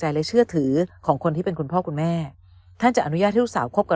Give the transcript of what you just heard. หรือของคนที่เป็นคุณพ่อคุณแม่ท่านจะอนุญาตทุกสาวคบกับ